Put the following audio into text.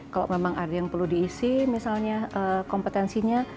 kalau memang ada yang perlu diisi misalnya kompetensinya